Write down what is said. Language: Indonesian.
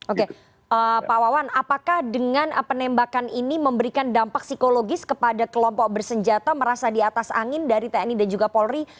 oke pak wawan apakah dengan penembakan ini memberikan dampak psikologis kepada kelompok bersenjata merasa di atas angin dari tni dan juga polri